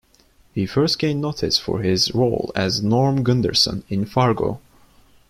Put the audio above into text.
He first gained notice for his role as Norm Gunderson in "Fargo".